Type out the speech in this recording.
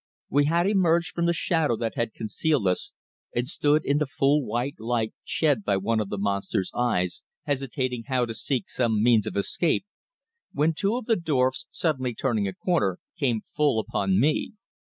We had emerged from the shadow that had concealed us and stood in the full white light shed by one of the monster's eyes, hesitating how to seek some means of escape, when two of the dwarfs, suddenly turning a corner, came full upon me.